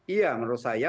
iya menurut saya